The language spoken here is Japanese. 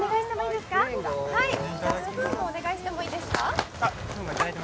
スプーンをお願いしてもいいですか？